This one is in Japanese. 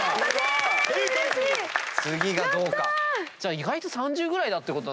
意外と３０ぐらいだってこと。